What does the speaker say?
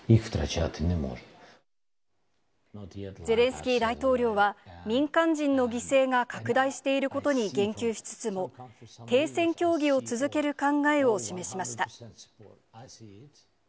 ゼレンスキー大統領は、民間人の犠牲が拡大していることに言及しつつも、停戦協議を続ける考えを示しました。